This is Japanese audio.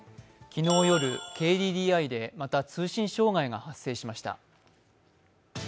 昨日夜、ＫＤＤＩでまた通信障害が発生しました。